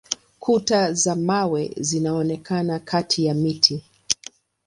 Kuta za mawe zinaonekana kati ya miti.